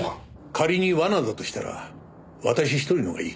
仮に罠だとしたら私一人のほうがいい。